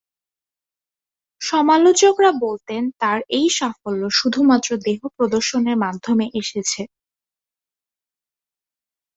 সমালোচকরা বলতেন তার এই সাফল্য শুধুমাত্র দেহ প্রদর্শনের মাধ্যমে এসেছে।